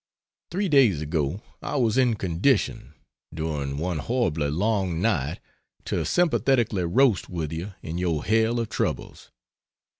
Three days ago I was in condition during one horribly long night to sympathetically roast with you in your "hell of troubles."